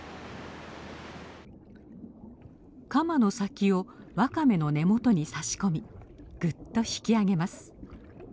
鎌の先をワカメの根元に差し込みぐっと引き上げます。